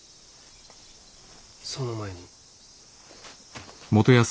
その前に。